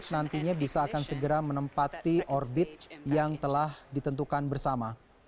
nantinya bisa akan segera menempati orbit yang telah ditentukan bersama